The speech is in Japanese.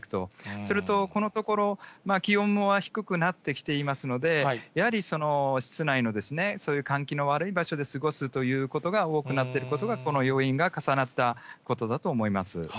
それとこのところ、気温も低くなってきていますので、やはり室内のそういう換気の悪い場所で過ごすということが多くなっていることが、この要因が重なったことだと思います。